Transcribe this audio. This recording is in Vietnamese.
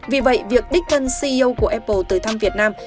vì vậy việc đích thân ceo của apple tới thăm việt nam